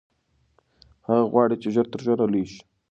هغه غواړي چې ژر تر ژره لوی شي.